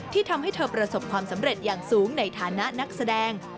ที่ทำให้เธอประสบความสำเร็จอย่างสูงในฐานะนักแสดง